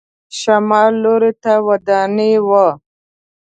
شمال لور ته ودانۍ وه.